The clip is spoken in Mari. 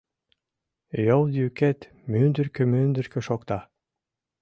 Йол йӱкет мӱндыркӧ-мӱндыркӧ шокта.